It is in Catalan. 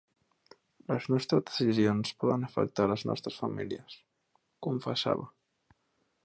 Les nostres decisions poden afectar les nostres famílies…, confessava.